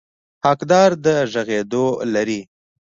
حقداره د غږېدو لري.